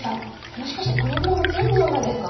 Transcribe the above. もしかしてこのブログ全部読んだんですか？